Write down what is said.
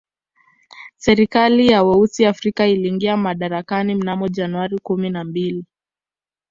Serikali ya weusi Afrika iliingia madarakani mnamo Januari kumi na mbili